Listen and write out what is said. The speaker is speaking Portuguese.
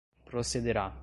procederá